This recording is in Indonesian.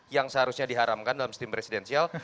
yang seharusnya diharamkan dalam sistem presidensial